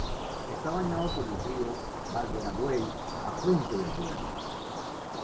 Está bañado por el río Valderaduey, afluente del Duero.